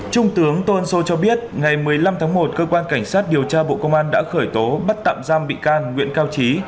trung tướng tôn sô cho biết ngày một mươi năm tháng một cơ quan cảnh sát điều tra bộ công an đã khởi tố bắt tạm giam bị can nguyễn cao trí